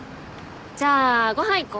じゃあご飯行こ。